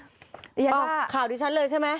อียาอ๋อข่าวดิฉันเลยใช่ไหม